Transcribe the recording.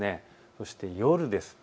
そして夜です。